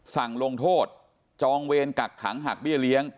สั่งลงโทษจองเวรกักขังหักเบี้ยเลี้ยง